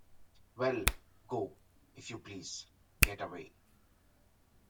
Well, go, if you please — get away!